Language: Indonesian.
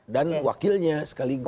dan wakilnya sekaligus